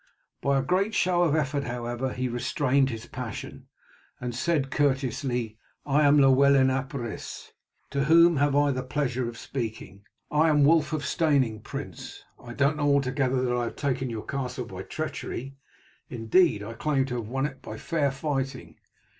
By a great effort, however, he restrained his passion, and said courteously: "I am Llewellyn ap Rhys. To whom have I the pleasure of speaking?" "I am Wulf of Steyning, prince. I don't know altogether that I have taken your castle by treachery, indeed I claim to have won it by fair fighting.